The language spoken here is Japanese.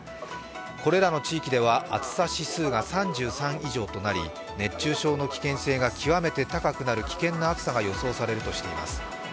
これらの地域では暑さ指数が３３以上となり、熱中症の危険度が極めて高くなる危険な暑さが予想されるとされています。